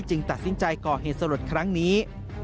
ตัดสินใจก่อเหตุสลดครั้งนี้